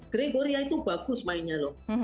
gregoria itu bagus mainnya loh